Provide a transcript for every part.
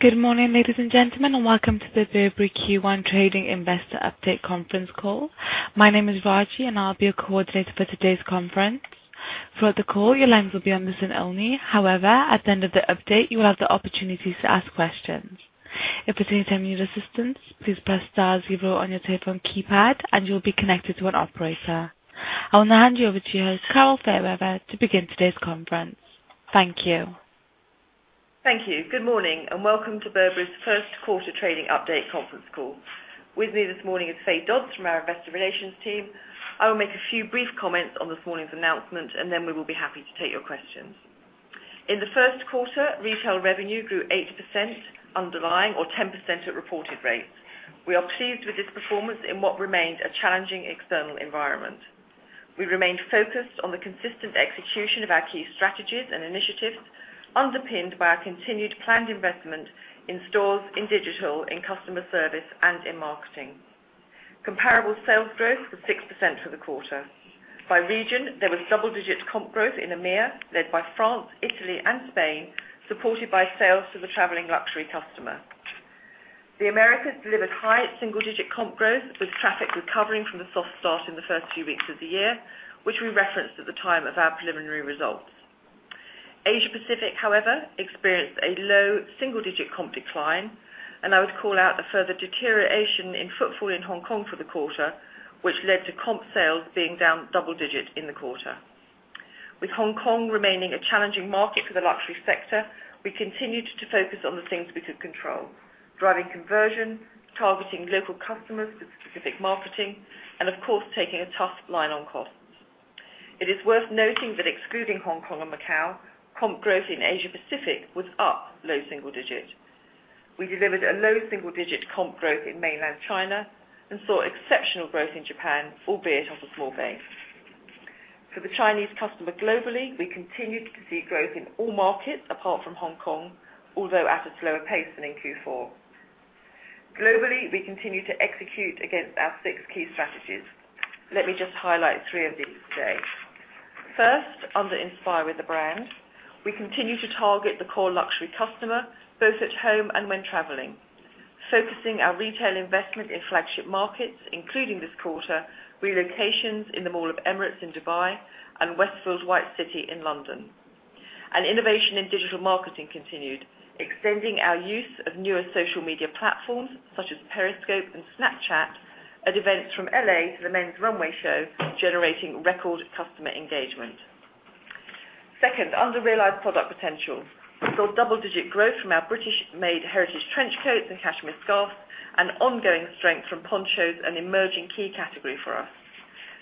Good morning, ladies and gentlemen, welcome to the Burberry Q1 Trading Investor Update conference call. My name is Vaji, I'll be your coordinator for today's conference. Throughout the call, your lines will be on listen only. At the end of the update, you will have the opportunity to ask questions. If at any time you need assistance, please press star zero on your telephone keypad, you'll be connected to an operator. I will now hand you over to your host, Carol Fairweather, to begin today's conference. Thank you. Thank you. Good morning, welcome to Burberry's first quarter trading update conference call. With me this morning is Fay Dodds from our investor relations team. I will make a few brief comments on this morning's announcement, we will be happy to take your questions. In the first quarter, retail revenue grew 8% underlying or 10% at reported rates. We are pleased with this performance in what remains a challenging external environment. We remained focused on the consistent execution of our key strategies and initiatives, underpinned by our continued planned investment in stores, in digital, in customer service, and in marketing. Comparable sales growth was 6% for the quarter. By region, there was double-digit comp growth in EMEIA, led by France, Italy, and Spain, supported by sales to the traveling luxury customer. The Americas delivered high single-digit comp growth, with traffic recovering from the soft start in the first few weeks of the year, which we referenced at the time of our preliminary results. Asia Pacific experienced a low double-digit comp decline, I would call out the further deterioration in footfall in Hong Kong for the quarter, which led to comp sales being down double digits in the quarter. With Hong Kong remaining a challenging market for the luxury sector, we continued to focus on the things we could control, driving conversion, targeting local customers with specific marketing, of course, taking a tough line on costs. It is worth noting that excluding Hong Kong and Macau, comp growth in Asia Pacific was up low single digits. We delivered a low single-digit comp growth in mainland China and saw exceptional growth in Japan, albeit off a small base. For the Chinese customer globally, we continued to see growth in all markets apart from Hong Kong, although at a slower pace than in Q4. Globally, we continue to execute against our six key strategies. Let me just highlight three of these today. First, under inspire with the brand, we continue to target the core luxury customer, both at home and when traveling. Focusing our retail investment in flagship markets, including this quarter, relocations in the Mall of the Emirates in Dubai and Westfield White City in London. Innovation in digital marketing continued, extending our use of newer social media platforms such as Periscope and Snapchat at events from L.A. to the men's runway show, generating record customer engagement. Second, under realized product potential. We saw double-digit growth from our British-made heritage trench coats and cashmere scarves, ongoing strength from ponchos, an emerging key category for us.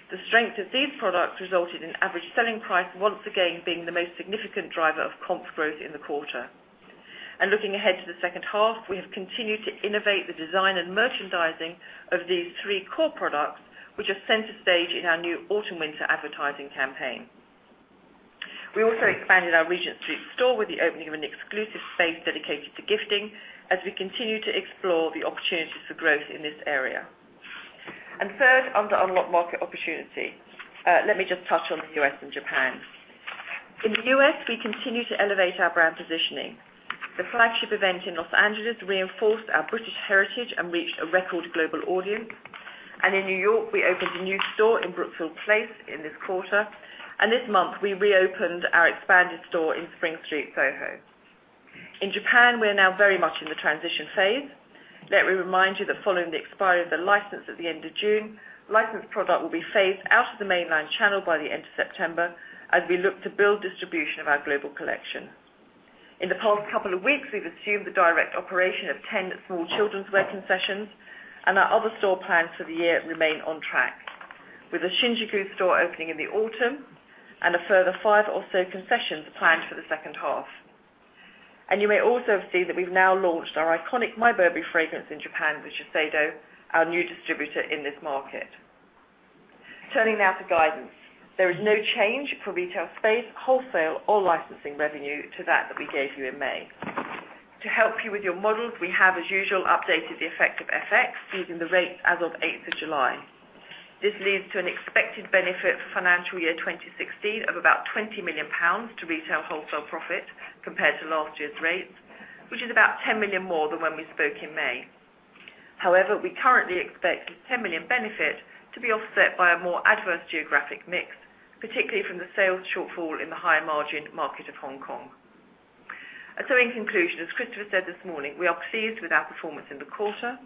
The strength of these products resulted in average selling price once again being the most significant driver of comp growth in the quarter. Looking ahead to the second half, we have continued to innovate the design and merchandising of these three core products, which are center stage in our new Autumn/Winter advertising campaign. We also expanded our Regent Street store with the opening of an exclusive space dedicated to gifting as we continue to explore the opportunities for growth in this area. Third, under unlock market opportunity. Let me just touch on the U.S. and Japan. In the U.S., we continue to elevate our brand positioning. The flagship event in Los Angeles reinforced our British heritage and reached a record global audience. In New York, we opened a new store in Brookfield Place in this quarter, and this month, we reopened our expanded store in Spring Street, Soho. In Japan, we are now very much in the transition phase. Let me remind you that following the expiry of the license at the end of June, licensed product will be phased out of the mainland channel by the end of September as we look to build distribution of our global collection. In the past couple of weeks, we've assumed the direct operation of 10 small children's wear concessions, and our other store plans for the year remain on track. With the Shinjuku store opening in the autumn and a further five or so concessions planned for the second half. You may also have seen that we've now launched our iconic My Burberry fragrance in Japan with Shiseido, our new distributor in this market. Turning now to guidance. There is no change for retail space, wholesale, or licensing revenue to that that we gave you in May. To help you with your models, we have, as usual, updated the effect of FX using the rates as of 8th of July. This leads to an expected benefit for financial year 2016 of about 20 million pounds to retail wholesale profit compared to last year's rates, which is about 10 million more than when we spoke in May. However, we currently expect the 10 million benefit to be offset by a more adverse geographic mix, particularly from the sales shortfall in the higher-margin market of Hong Kong. In conclusion, as Christopher said this morning, we are pleased with our performance in the quarter,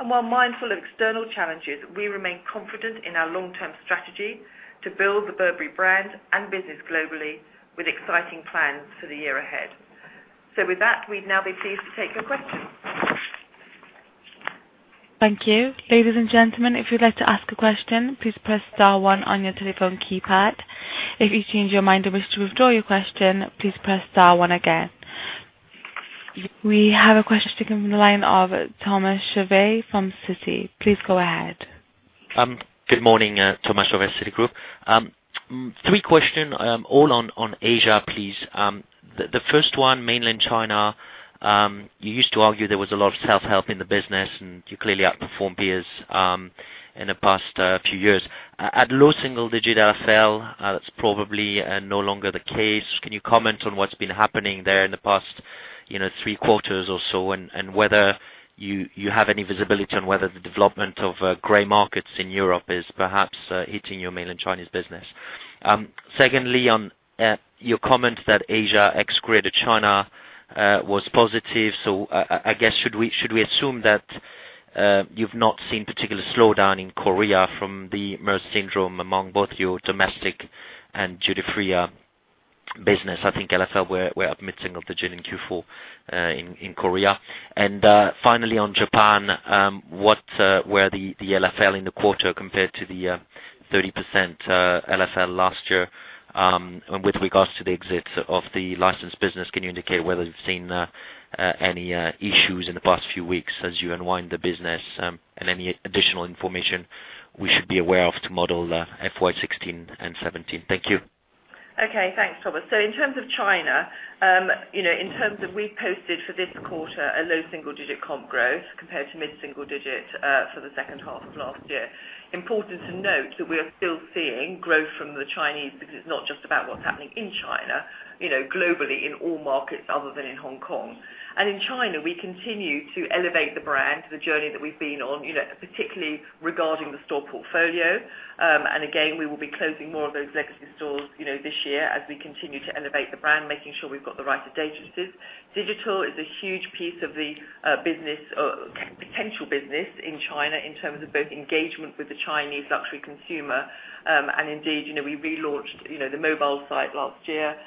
and while mindful of external challenges, we remain confident in our long-term strategy to build the Burberry brand and business globally with exciting plans for the year ahead. With that, we'd now be pleased to take your questions. Thank you. Ladies and gentlemen, if you'd like to ask a question, please press star one on your telephone keypad. If you change your mind and wish to withdraw your question, please press star one again. We have a question coming from the line of Thomas Chauvet from Citi. Please go ahead. Good morning. Thomas Chauvet, Citigroup. Three questions, all on Asia, please. The first one, Mainland China. You used to argue there was a lot of self-help in the business, and you clearly outperformed peers in the past few years. At low single-digit LFL, that's probably no longer the case. Can you comment on what's been happening there in the past three quarters or so, and whether you have any visibility on whether the development of gray markets in Europe is perhaps hitting your Mainland Chinese business? Secondly, on your comment that Asia ex-Greater China was positive. I guess, should we assume that you've not seen particular slowdown in Korea from the MERS syndrome among both your domestic and duty-free business? I think LFL were up mid-single digit in Q4 in Korea. Finally on Japan, where the LFL in the quarter compared to the 30% LFL last year with regards to the exit of the licensed business, can you indicate whether you've seen any issues in the past few weeks as you unwind the business and any additional information we should be aware of to model FY 2016 and 2017? Thank you. Okay. Thanks, Thomas. In terms of China, we posted for this quarter a low single-digit comp growth compared to mid-single digit for the second half of last year. Important to note that we are still seeing growth from the Chinese, because it's not just about what's happening in China, globally in all markets other than in Hong Kong. In China, we continue to elevate the brand to the journey that we've been on, particularly regarding the store portfolio. Again, we will be closing more of those legacy stores this year as we continue to elevate the brand, making sure we've got the right adjacencies. Digital is a huge piece of the potential business in China in terms of both engagement with the Chinese luxury consumer, and indeed, we relaunched the mobile site last year.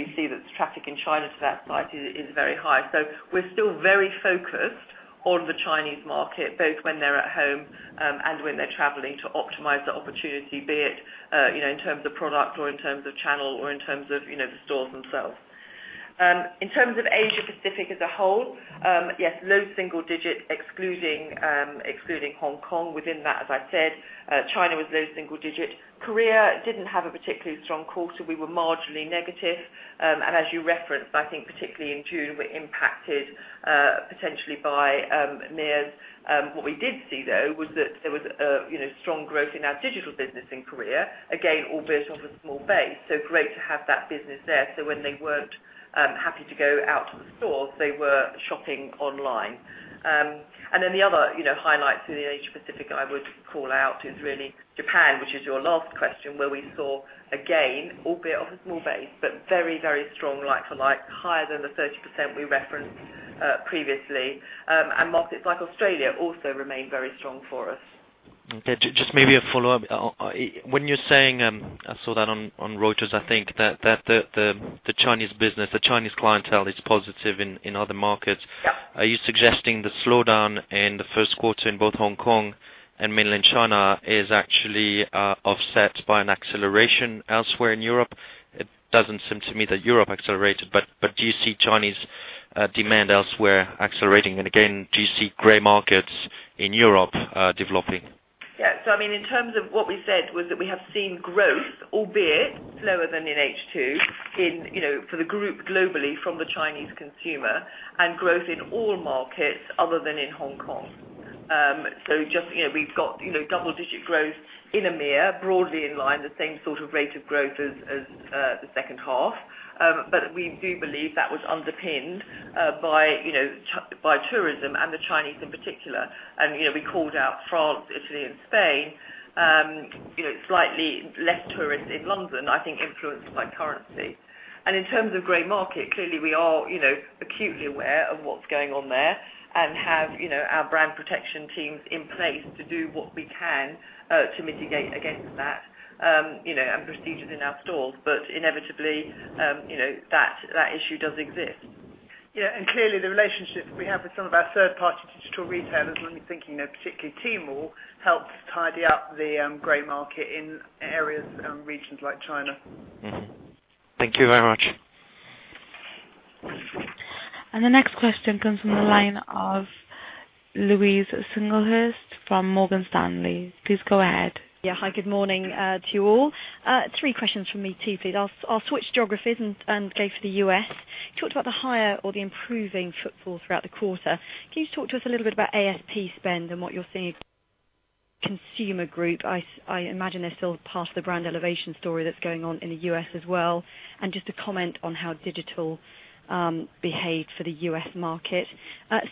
We see that the traffic in China to that site is very high. We're still very focused on the Chinese market, both when they're at home and when they're traveling to optimize the opportunity, be it in terms of product or in terms of channel or in terms of the stores themselves. In terms of Asia Pacific as a whole, yes, low single digit excluding Hong Kong within that, as I said. China was low single digit. Korea didn't have a particularly strong quarter. We were marginally negative. As you referenced, I think particularly in June, we're impacted potentially by MERS. What we did see, though, was that there was strong growth in our digital business in Korea, again, albeit off a small base. Great to have that business there. When they weren't happy to go out to the stores, they were shopping online. The other highlight to the Asia Pacific I would call out is really Japan, which is your last question, where we saw, again, albeit off a small base, but very strong like-to-like, higher than the 30% we referenced previously. Markets like Australia also remain very strong for us. Okay. Just maybe a follow-up. When you're saying, I saw that on Reuters, I think, that the Chinese business, the Chinese clientele is positive in other markets. Yeah. Are you suggesting the slowdown in the first quarter in both Hong Kong and Mainland China is actually offset by an acceleration elsewhere in Europe? It doesn't seem to me that Europe accelerated, but do you see Chinese demand elsewhere accelerating? Again, do you see gray markets in Europe developing? In terms of what we said was that we have seen growth, albeit lower than in H2 for the group globally from the Chinese consumer, and growth in all markets other than in Hong Kong. We've got double-digit growth in EMEIA, broadly in line, the same sort of rate of growth as the second half. We do believe that was underpinned by tourism and the Chinese in particular. We called out France, Italy and Spain. Slightly less tourists in London, I think influenced by currency. In terms of gray market, clearly we are acutely aware of what's going on there and have our brand protection teams in place to do what we can to mitigate against that, and procedures in our stores. Inevitably, that issue does exist. Clearly the relationships we have with some of our third-party digital retailers, when we think particularly Tmall helps tidy up the gray market in areas and regions like China. Thank you very much. The next question comes from the line of Louise Singlehurst from Morgan Stanley. Please go ahead. Hi, good morning to you all. Three questions from me, too, please. I'll switch geographies and go for the U.S. You talked about the higher or the improving footfall throughout the quarter. Can you talk to us a little bit about ASP spend and what you're seeing consumer group? I imagine they're still part of the brand elevation story that's going on in the U.S. as well. Just a comment on how digital behaved for the U.S. market.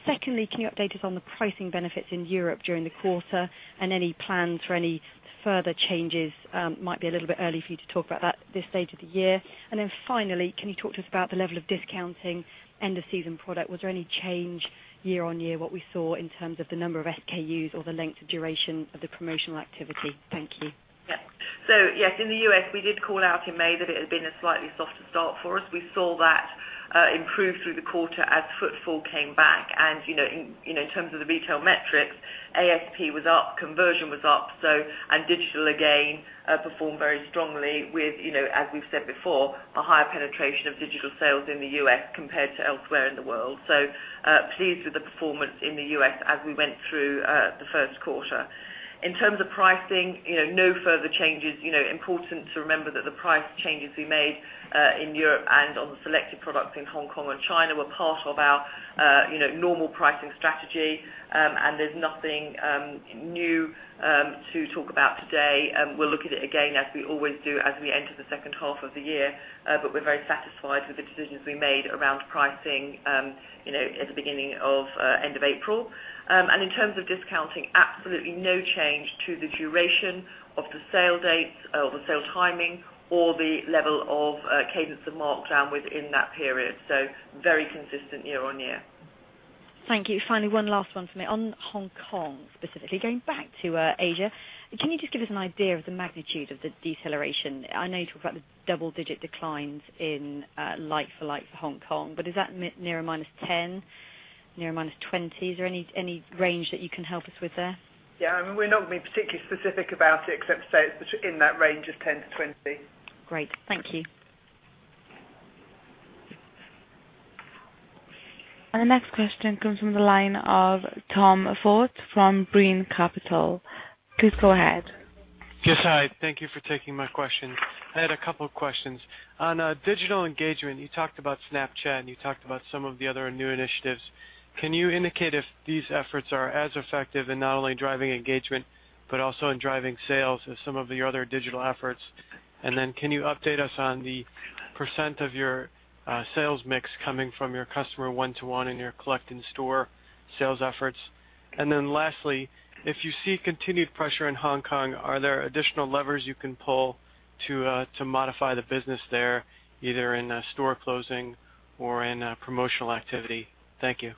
Secondly, can you update us on the pricing benefits in Europe during the quarter and any plans for any further changes? Might be a little bit early for you to talk about that this stage of the year. Finally, can you talk to us about the level of discounting end-of-season product? Was there any change year-on-year what we saw in terms of the number of SKUs or the length of duration of the promotional activity? Thank you. Yes, in the U.S., we did call out in May that it had been a slightly softer start for us. We saw that improve through the quarter as footfall came back. In terms of the retail metrics, ASP was up, conversion was up. Digital, again, performed very strongly with, as we've said before, a higher penetration of digital sales in the U.S. compared to elsewhere in the world. Pleased with the performance in the U.S. as we went through the first quarter. In terms of pricing, no further changes. Important to remember that the price changes we made in Europe and on selected products in Hong Kong and China were part of our normal pricing strategy. There's nothing new to talk about today. We'll look at it again as we always do as we enter the second half of the year. We're very satisfied with the decisions we made around pricing at the beginning of end of April. In terms of discounting, absolutely no change to the duration of the sale dates or the sale timing or the level of cadence of markdown within that period. Very consistent year-on-year. Thank you. Finally, one last one for me. On Hong Kong specifically, going back to Asia, can you just give us an idea of the magnitude of the deceleration? I know you talk about the double-digit declines in like for like for Hong Kong, but is that near a -10%? Near a -20%? Is there any range that you can help us with there? Yeah. We're not being particularly specific about it except to say it's in that range of 10%-20%. Great. Thank you. Our next question comes from the line of Tom Forte from Brean Capital. Please go ahead. Yes, hi. Thank you for taking my question. I had a couple of questions. On digital engagement, you talked about Snapchat, you talked about some of the other new initiatives. Can you indicate if these efforts are as effective in not only driving engagement but also in driving sales as some of the other digital efforts? Can you update us on the % of your sales mix coming from your customer one-to-one in your collect in store sales efforts? Lastly, if you see continued pressure in Hong Kong, are there additional levers you can pull to modify the business there, either in store closing or in promotional activity? Thank you.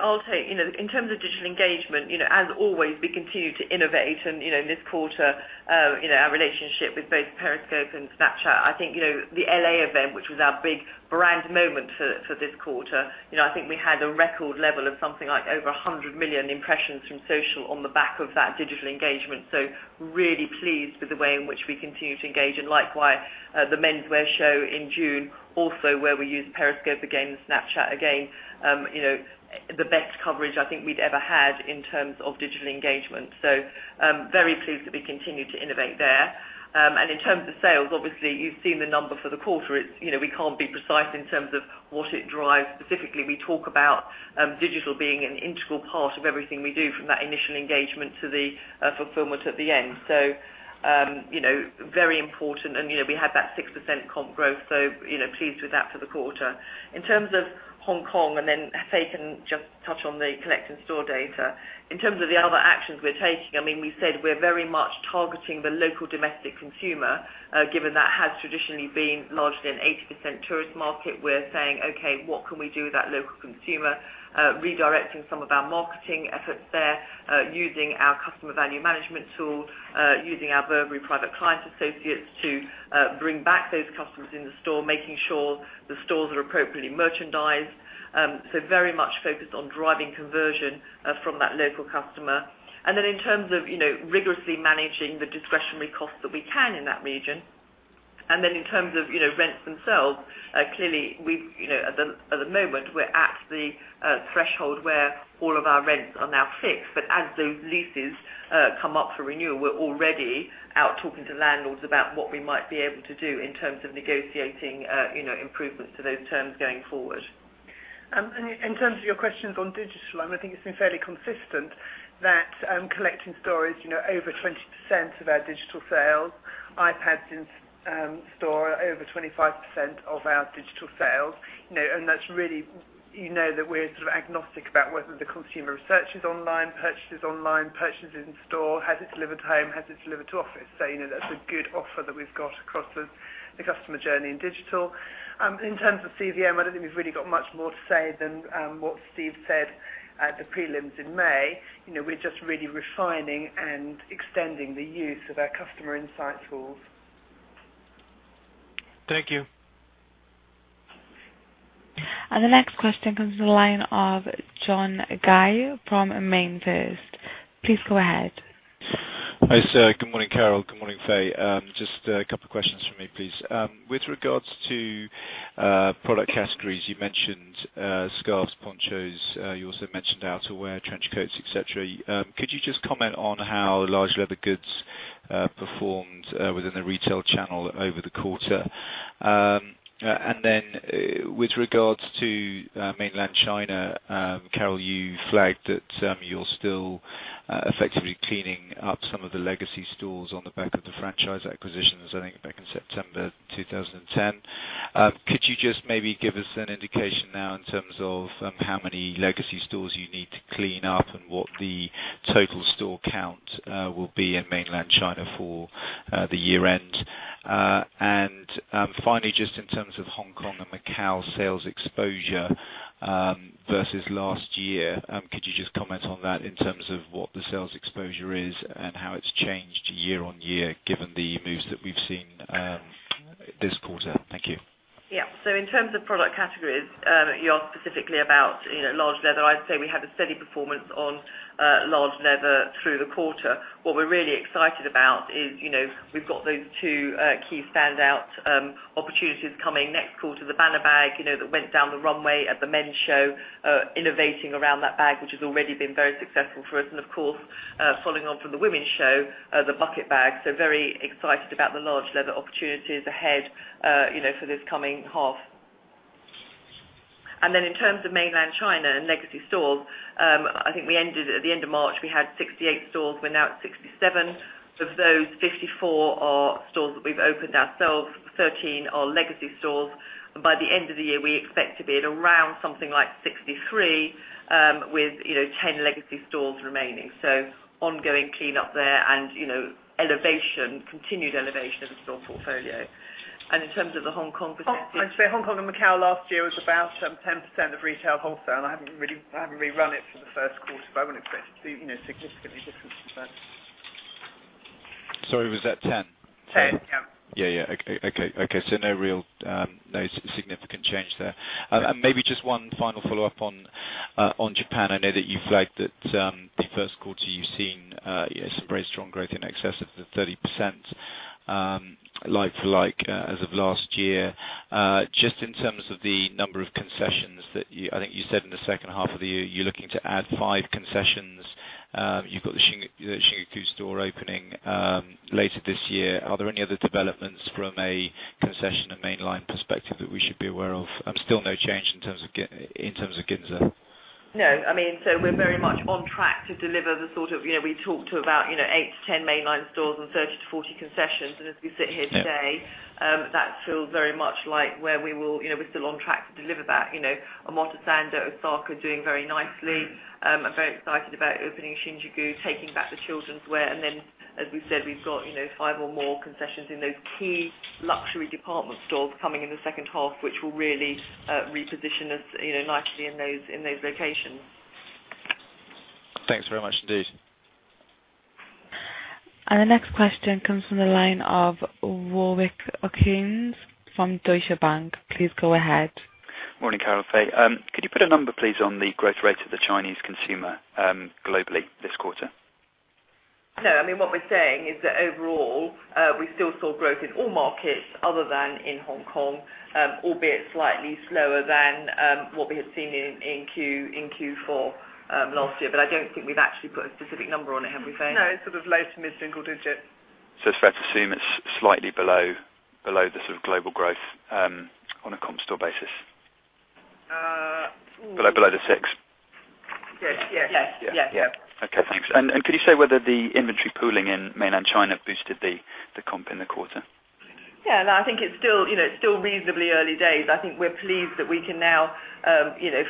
I'll take, in terms of digital engagement, as always, we continue to innovate. This quarter, our relationship with both Periscope and Snapchat, I think, the L.A. event, which was our big brand moment for this quarter, I think we had a record level of something like over 100 million impressions from social on the back of that digital engagement. Really pleased with the way in which we continue to engage. Likewise, the menswear show in June, also where we used Periscope again, and Snapchat again, the best coverage I think we'd ever had in terms of digital engagement. Very pleased that we continue to innovate there. In terms of sales, obviously, you've seen the number for the quarter. We can't be precise in terms of what it drives. Specifically, we talk about digital being an integral part of everything we do from that initial engagement to the fulfillment at the end. Very important, and we had that 6% comp growth, so pleased with that for the quarter. In terms of Hong Kong, Fay can just touch on the collect in store data. In terms of the other actions we're taking, we said we're very much targeting the local domestic consumer, given that has traditionally been largely an 80% tourist market. We're saying, okay, what can we do with that local consumer? Redirecting some of our marketing efforts there, using our customer value management tool, using our Burberry private client associates to bring back those customers in the store, making sure the stores are appropriately merchandised. Very much focused on driving conversion from that local customer. In terms of rigorously managing the discretionary costs that we can in that region, and then in terms of rents themselves, clearly at the moment, we're at the threshold where all of our rents are now fixed. As those leases come up for renewal, we're already out talking to landlords about what we might be able to do in terms of negotiating improvements to those terms going forward. In terms of your questions on digital, I think it's been fairly consistent that collect in store is over 20% of our digital sales. iPads in store are over 25% of our digital sales. You know that we're sort of agnostic about whether the consumer researches online, purchases online, purchases in store, has it delivered home, has it delivered to office. You know that's a good offer that we've got across the customer journey in digital. In terms of CVM, I don't think we've really got much more to say than what Steve said at the prelims in May. We're just really refining and extending the use of our customer insight tools. Thank you. The next question comes from the line of John Guy from MainFirst. Please go ahead. Hi. Good morning, Carol. Good morning, Fay. Just a couple of questions from me, please. With regards to product categories, you mentioned scarves, ponchos. You also mentioned outerwear, trench coats, et cetera. Could you just comment on how large leather goods performed within the retail channel over the quarter? Then with regards to Mainland China, Carol, you flagged that you're still effectively cleaning up some of the legacy stores on the back of the franchise acquisitions, I think back in September 2010. Could you just maybe give us an indication now in terms of how many legacy stores you need to clean up and what the total store count will be in Mainland China for the year end? Finally, just in terms of Hong Kong and Macau sales exposure versus last year, could you just comment on that in terms of what the sales exposure is and how it's changed year-over-year given the moves that we've seen this quarter? Thank you. In terms of product categories, you asked specifically about large leather. I'd say we had a steady performance on large leather through the quarter. What we're really excited about is we've got those two key standout opportunities coming next quarter, the Banner Bag that went down the runway at the men's show, innovating around that bag, which has already been very successful for us. Of course, following on from the women's show, the Bucket Bag. Very excited about the large leather opportunities ahead for this coming half. In terms of mainland China and legacy stores, I think at the end of March, we had 68 stores. We're now at 67. Of those, 54 are stores that we've opened ourselves, 13 are legacy stores. By the end of the year, we expect to be at around something like 63, with 10 legacy stores remaining. Ongoing cleanup there and continued elevation of the store portfolio. In terms of the Hong Kong perspective- Hong Kong and Macau last year was about 10% of retail wholesale. I haven't rerun it for the first quarter, but I wouldn't expect it to be significantly different from that. Sorry, was that 10? 10, yeah. Yeah. Okay. No significant change there. Yeah. Maybe just one final follow-up on Japan. I know that you flagged that the first quarter you've seen some very strong growth in excess of the 30% like for like as of last year. Just in terms of the number of concessions that you, I think you said in the second half of the year, you're looking to add five concessions. You've got the Shinjuku store opening later this year. Are there any other developments from a concession and mainline perspective that we should be aware of? Still no change in terms of Ginza? No. We're very much on track to deliver the sort of, we talked to about eight to 10 mainline stores and 30-40 concessions. As we sit here today Yeah That feels very much like we're still on track to deliver that. Omotesando, Osaka are doing very nicely. I'm very excited about opening Shinjuku, taking back the children's wear, as we said, we've got five or more concessions in those key luxury department stores coming in the second half, which will really reposition us nicely in those locations. Thanks very much indeed. The next question comes from the line of Warwick Okines from Deutsche Bank. Please go ahead. Morning, Carol. Fay. Could you put a number, please, on the growth rate of the Chinese consumer globally this quarter? No. What we're saying is that overall, we still saw growth in all markets other than in Hong Kong, albeit slightly slower than what we had seen in Q4 last year. I don't think we've actually put a specific number on it. Have we, Fay? No, sort of low to mid-single digit. It's fair to assume it's slightly below the sort of global growth on a comp store basis. Below the six? Yes. Yes. Yes. Okay. Thanks. Could you say whether the inventory pooling in mainland China boosted the comp in the quarter? Yeah. No, I think it's still reasonably early days. I think we're pleased that we can now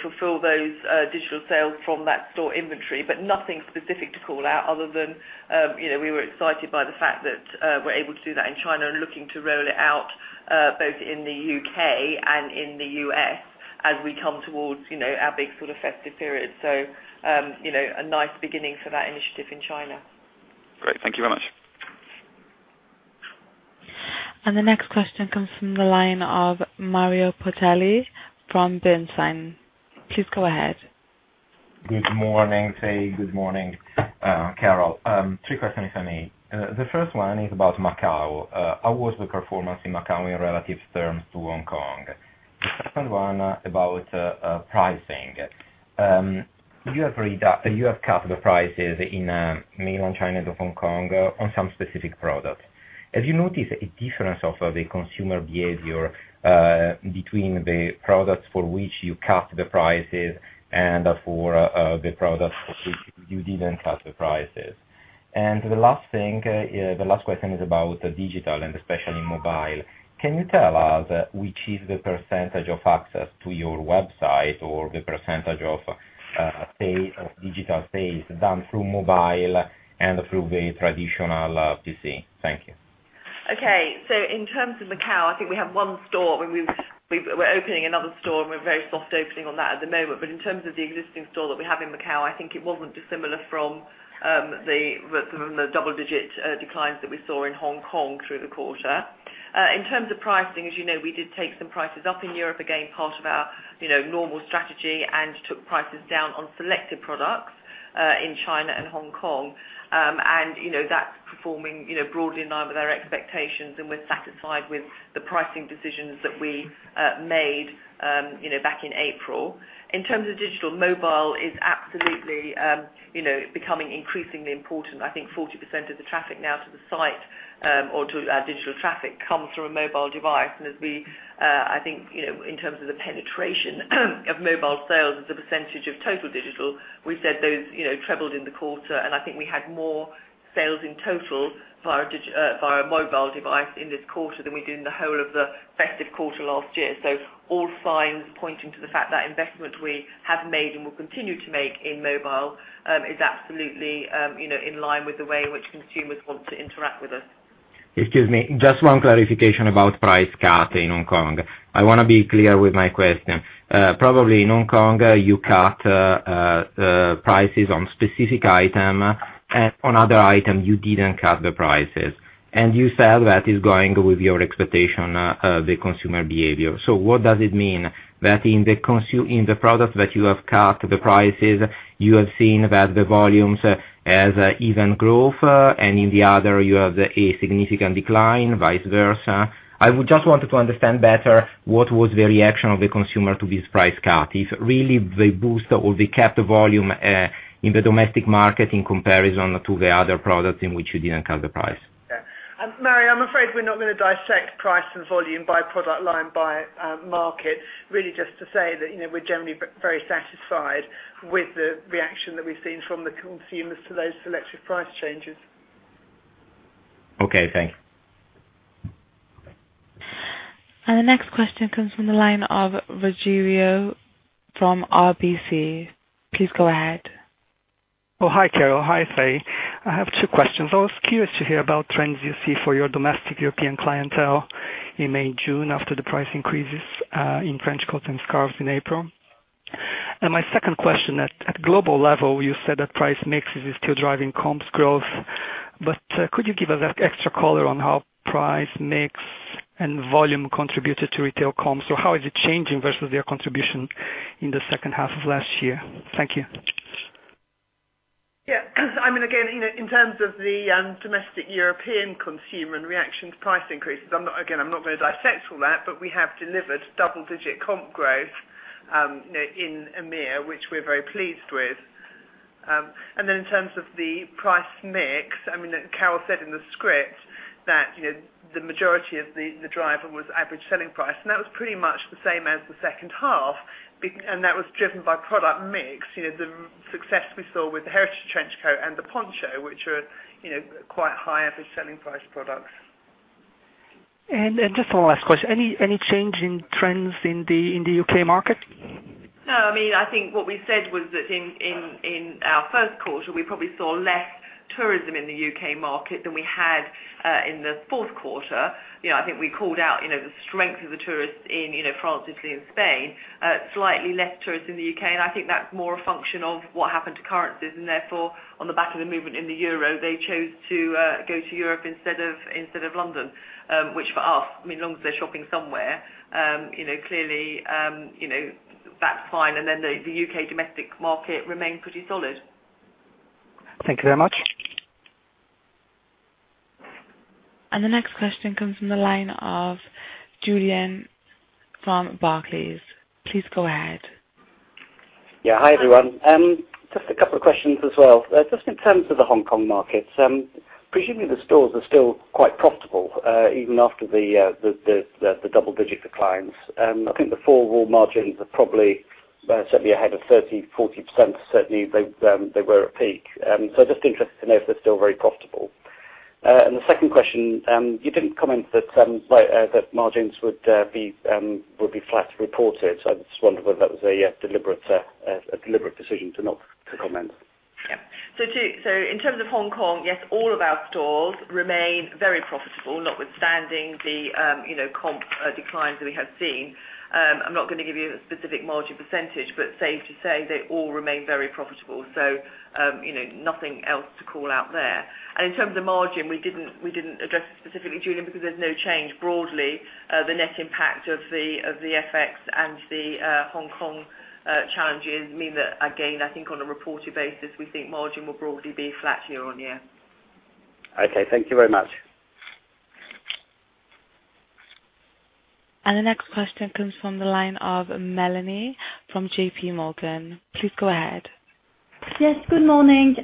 fulfill those digital sales from that store inventory, but nothing specific to call out other than we were excited by the fact that we're able to do that in China and looking to roll it out both in the U.K. and in the U.S. as we come towards our big sort of festive period. A nice beginning for that initiative in China. Great. Thank you very much. The next question comes from the line of Mario Ortelli from Bernstein. Please go ahead. Good morning, Fay. Good morning, Carol. Three questions for me. The first one is about Macau. How was the performance in Macau in relative terms to Hong Kong? The second one about pricing. You have cut the prices in mainland China and Hong Kong on some specific products. Have you noticed a difference of the consumer behavior between the products for which you cut the prices and for the products for which you didn't cut the prices? The last question is about digital and especially mobile. Can you tell us which is the % of access to your website or the % of sales, of digital sales done through mobile and through the traditional PC? Thank you. Okay. In terms of Macau, I think we have one store, and we're opening another store, and we're very soft opening on that at the moment. In terms of the existing store that we have in Macau, I think it wasn't dissimilar from the double-digit declines that we saw in Hong Kong through the quarter. In terms of pricing, as you know, we did take some prices up in Europe, again, part of our normal strategy, and took prices down on selected products in China and Hong Kong. That's performing broadly in line with our expectations, and we're satisfied with the pricing decisions that we made back in April. In terms of digital, mobile is absolutely becoming increasingly important. I think 40% of the traffic now to the site, or to our digital traffic, comes through a mobile device. As we, in terms of the penetration of mobile sales as a % of total digital, we said those trebled in the quarter, and I think we had more sales in total via mobile device in this quarter than we did in the whole of the festive quarter last year. All signs pointing to the fact that investment we have made and will continue to make in mobile is absolutely in line with the way in which consumers want to interact with us. Excuse me, just one clarification about price cut in Hong Kong. I want to be clear with my question. Probably in Hong Kong, you cut prices on specific item, on other item, you didn't cut the prices. You said that is going with your expectation of the consumer behavior. What does it mean? That in the product that you have cut the prices, you have seen that the volumes have even growth, and in the other, you have a significant decline, vice versa. I would just want to understand better what was the reaction of the consumer to this price cut. If really they boost or they kept the volume in the domestic market in comparison to the other products in which you didn't cut the price. Mario, I'm afraid we're not going to dissect price and volume by product line, by market. Really just to say that we're generally very satisfied with the reaction that we've seen from the consumers to those selective price changes. Okay, thanks. The next question comes from the line of Rogier from RBC. Please go ahead. Hi, Carol. Hi, Fay. I have two questions. I was curious to hear about trends you see for your domestic European clientele in May, June after the price increases, in trench coat and scarves in April. My second question, at global level, you said that price mix is still driving comps growth. Could you give us extra color on how price mix and volume contributed to retail comps? How is it changing versus their contribution in the second half of last year? Thank you. Yeah. In terms of the domestic European consumer and reactions to price increases, I'm not going to dissect all that, but we have delivered double-digit comp growth in EMEIA, which we're very pleased with. In terms of the price mix, Carol said in the script that the majority of the driver was average selling price, and that was pretty much the same as the second half, and that was driven by product mix. The success we saw with the heritage trench coat and the poncho, which are quite high average selling price products. Just one last question. Any change in trends in the U.K. market? No. I think what we said was that in our first quarter, we probably saw less tourism in the U.K. market than we had in the fourth quarter. I think we called out the strength of the tourists in France, Italy, and Spain. Slightly less tourists in the U.K., I think that's more a function of what happened to currencies, and therefore, on the back of the movement in the euro, they chose to go to Europe instead of London. Which for us, as long as they're shopping somewhere, clearly, that's fine. The U.K. domestic market remained pretty solid. Thank you very much. The next question comes from the line of Julian from Barclays. Please go ahead. Yeah. Hi, everyone. Just a couple of questions as well. Just in terms of the Hong Kong market, presumably the stores are still quite profitable, even after the double-digit declines. I think the overall margins are probably certainly ahead of 30%, 40%, certainly they were at peak. Just interested to know if they're still very profitable. The second question, you didn't comment that margins would be flat reported. I just wondered whether that was a deliberate decision to not comment. Yeah. In terms of Hong Kong, yes, all of our stores remain very profitable, notwithstanding the comp declines we have seen. I'm not going to give you a specific margin percentage, but safe to say they all remain very profitable. Nothing else to call out there. In terms of margin, we didn't address it specifically, Julian, because there's no change broadly. The net impact of the FX and the Hong Kong challenges mean that, again, I think on a reported basis, we think margin will broadly be flat year-on-year. Okay. Thank you very much. The next question comes from the line of Melanie from JP Morgan. Please go ahead. Yes. Good morning.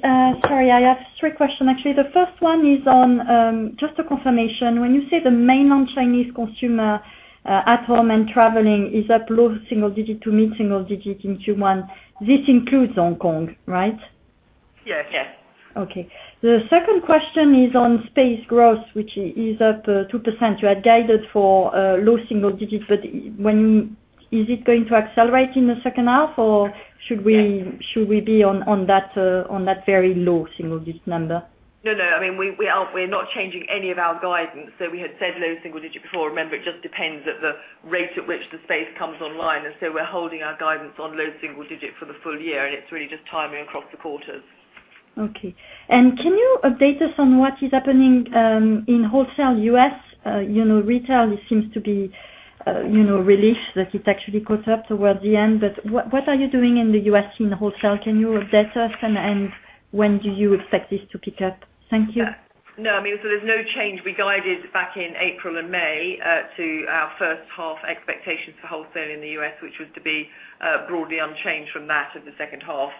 Sorry, I have three questions actually. The first one is on just a confirmation. When you say the Mainland Chinese consumer at home and traveling is up low single digit to mid single digit in Q1, this includes Hong Kong, right? Yes. Okay. The second question is on space growth, which is up 2%. You had guided for low single digits. Is it going to accelerate in the second half, or should we be on that very low single digit number? No. We're not changing any of our guidance. We had said low single digit before. Remember, it just depends at the rate at which the space comes online, we're holding our guidance on low single digit for the full year, and it's really just timing across the quarters. Okay. Can you update us on what is happening in wholesale U.S.? Retail seems to be relieved that it actually caught up toward the end, what are you doing in the U.S. in wholesale? Can you update us on, when do you expect this to pick up? Thank you. No, there's no change. We guided back in April and May to our first half expectations for wholesale in the U.S., which was to be broadly unchanged from that of the second half.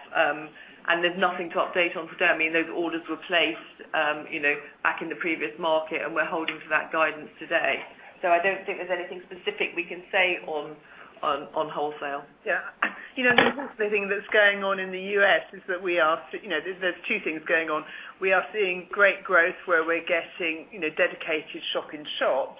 There's nothing to update on today. Those orders were placed back in the previous market, we're holding to that guidance today. I don't think there's anything specific we can say on wholesale. The thing that's going on in the U.S. is that there's two things going on. We are seeing great growth where we're getting dedicated shop in shops,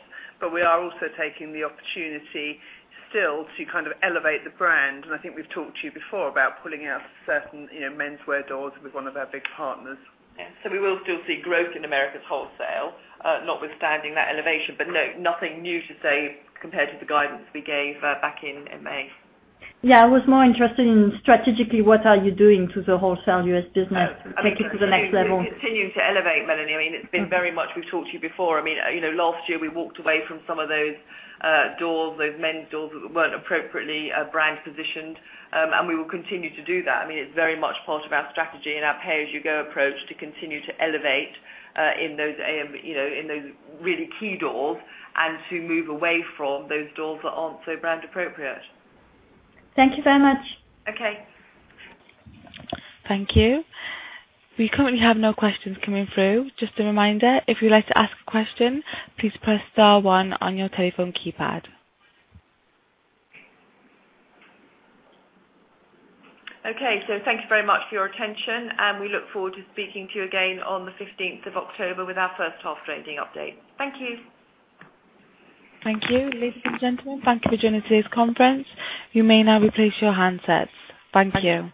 we are also taking the opportunity still to elevate the brand. I think we've talked to you before about pulling out certain menswear doors with one of our big partners. Yeah. We will still see growth in Americas wholesale, notwithstanding that elevation. No, nothing new to say compared to the guidance we gave back in May. Yeah, I was more interested in strategically, what are you doing to the wholesale U.S. business to take it to the next level? We're continuing to elevate, Melanie. It's been very much, we've talked to you before. Last year, we walked away from some of those doors, those men's doors that weren't appropriately brand positioned. We will continue to do that. It's very much part of our strategy and our pay-as-you-go approach to continue to elevate in those really key doors and to move away from those doors that aren't so brand appropriate. Thank you very much. Okay. Thank you. We currently have no questions coming through. Just a reminder, if you'd like to ask a question, please press star one on your telephone keypad. Okay. Thank you very much for your attention, and we look forward to speaking to you again on the 15th of October with our first half trading update. Thank you. Thank you. Ladies and gentlemen, thank you for joining today's conference. You may now replace your handsets. Thank you.